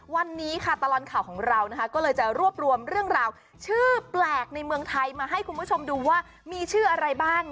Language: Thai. วันนี้ค่ะตลอดข่าวของเรานะคะก็เลยจะรวบรวมเรื่องราวชื่อแปลกในเมืองไทยมาให้คุณผู้ชมดูว่ามีชื่ออะไรบ้าง